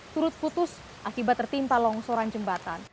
turut putus akibat tertimpa longsoran jembatan